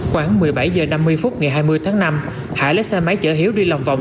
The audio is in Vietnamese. khoảng một mươi bảy h năm mươi phút ngày hai mươi tháng năm hải lấy xe máy chở hiếu đi lòng vòng